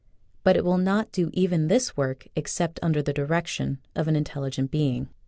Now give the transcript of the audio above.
But it will not do even this work except under the direc tion of an intelligent being.